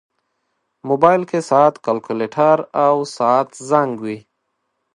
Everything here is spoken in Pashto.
موبایل کې ساعت، کیلکولیټر، او ساعت زنګ وي.